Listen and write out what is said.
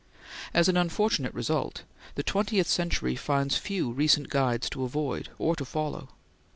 As an unfortunate result the twentieth century finds few recent guides to avoid, or to follow.